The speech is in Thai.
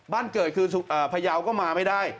บ้านเกิดคือพยาวก็มาไม่ได้